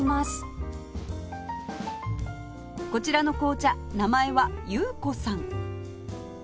こちらの紅茶名前はゆうこさん